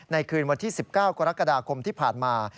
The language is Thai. คืนวันที่๑๙กรกฎาคมที่ผ่านมา